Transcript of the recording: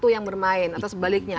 yang bermain atau sebaliknya